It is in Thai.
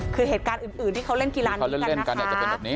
คือเหตุการณ์อื่นที่เขาเล่นกีฬานี้กันนะคะ